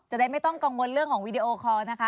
จะได้ไม่ต้องกังวลเรื่องของวีดีโอคอลนะคะ